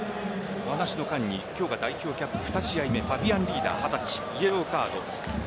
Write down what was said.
話の間に今日が代表キャップ２試合目ファビアン・リーダー２０歳イエローカード。